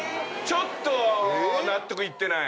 ちょっと納得いってない。